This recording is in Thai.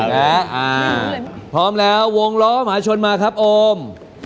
พร้อมแล้ววงล้อมหาชนมาครับโอม